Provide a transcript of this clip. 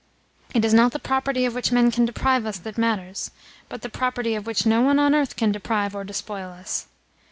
It is not the property of which men can deprive us that matters, but the property of which no one on earth can deprive or despoil us.